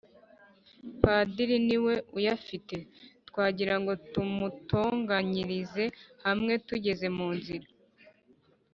Padiri ni we uyafite"Twagira ngo tumutonganyirize hamwe tugeze mu nzira